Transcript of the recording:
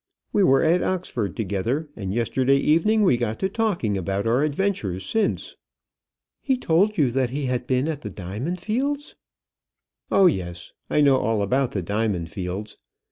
We were at Oxford together, and yesterday evening we got talking about our adventures since." "He told you that he had been at the diamond fields?" "Oh, yes; I know all about the diamond fields.